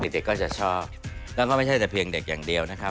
เด็กก็จะชอบแล้วก็ไม่ใช่แต่เพียงเด็กอย่างเดียวนะครับ